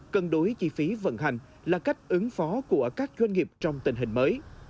cân đối chi phí vận hành là cách ứng phó của các doanh nghiệp trong tình hình mới